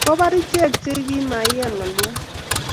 Kobar ichek che kimaiyan ng'oliot